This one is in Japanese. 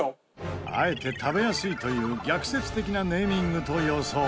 あえてたべやすいという逆説的なネーミングと予想。